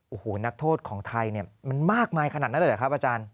โอ้โหนักโทษของไทยเนี่ยมันมากมายขนาดนั้นเลยเหรอครับอาจารย์